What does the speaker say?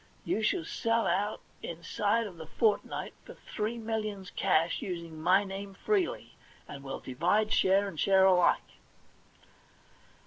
You shall sell out inside of the fortnight for three millions cash, using my name freely, and we'll divide, share and share alike.'